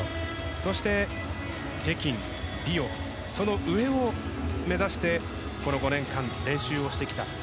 そして北京、リオその上を目指してこの５年間練習をしてきた。